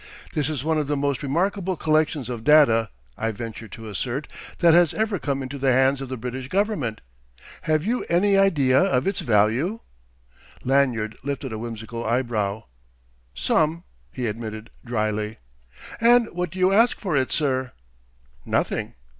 "This is one of the most remarkable collections of data, I venture to assert, that has ever come into the hands of the British Government. Have you any idea of its value?" Lanyard lifted a whimsical eyebrow. "Some," he admitted drily. "And what do you ask for it, sir?" "Nothing."